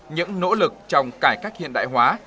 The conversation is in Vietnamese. những nỗ lực trong cải cách hiện đại hóa